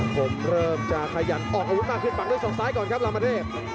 ผมเริ่มจะขยันออกอาวุธมากขึ้นปักด้วยศอกซ้ายก่อนครับลามเทพ